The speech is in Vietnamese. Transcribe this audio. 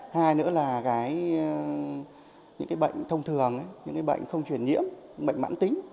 hai nữa là những bệnh thông thường những bệnh không truyền nhiễm bệnh mãn tính